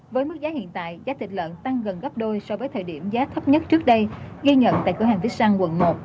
với mức giá hiện tại giá thịt lợn tăng gần gấp đôi so với thời điểm giá thấp nhất trước đây ghi nhận tại cửa hàng viết sang quận một